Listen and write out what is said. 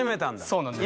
そうなんです。